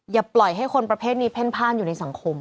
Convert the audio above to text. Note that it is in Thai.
อย่าปล่อยให้คนประเภทนี้เพ่นพ่านอยู่ในสังคม